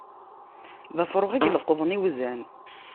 D afṛux, i yeleqḍen iwzan.